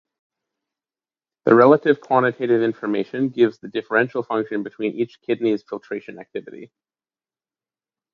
The relative quantitative information gives the differential function between each kidney's filtration activity.